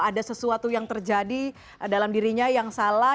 ada sesuatu yang terjadi dalam dirinya yang salah